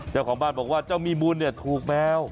เจ้าของบ้านบอกว่าเจ้ามีมูลเนี่ยถูกแมว